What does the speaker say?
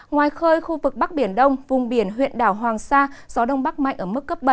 ngoài khơi khu vực bắc biển đông vùng biển huyện đảo hoàng sa gió đông bắc mạnh ở mức cấp bảy